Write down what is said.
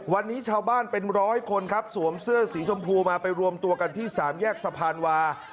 วันนี้ชาวบ้านเป็นร้อยคนครับสวมเสื้อสีชมพูมาไปรวมตัวกันที่สามแยกสะพานวา